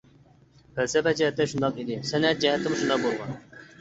پەلسەپە جەھەتتە شۇنداق ئىدى، سەنئەت جەھەتتىمۇ شۇنداق بولغان.